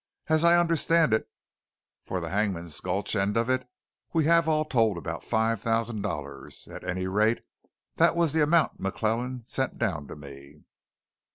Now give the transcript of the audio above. As I understand it, for the Hangman's Gulch end of it, we have, all told, about five thousand dollars at any rate, that was the amount McClellan sent down to me."